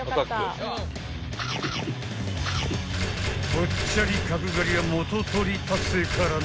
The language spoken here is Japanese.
［ぽっちゃり角刈りは元とり達成からの］